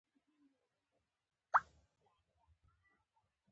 • کنفوسیوس لوړ پروازه و.